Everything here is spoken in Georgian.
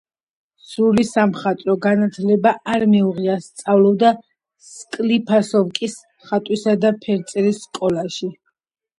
სრული სამხატვრო განათლება არ მიუღია, სწავლობდა სკლიფასოვსკის ხატვისა და ფერწერის სკოლაში.